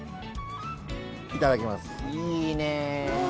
いただきます。